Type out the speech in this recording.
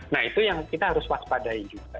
nah itu yang kita harus waspadai juga